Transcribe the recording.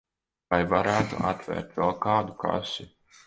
Vai varētu atvērt vēl kādu kasi?